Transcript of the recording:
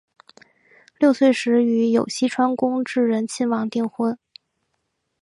六岁时与有栖川宫炽仁亲王订婚。